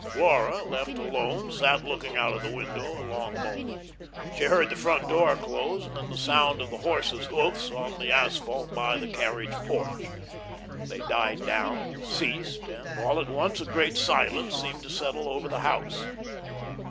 Laura, left alone, sat looking out of the window a long moment. She heard the front door close, and then the sound of the horses' hoofs on the asphalt by the carriage porch. They died down, ceased, and all at once a great silence seemed to settle over the house.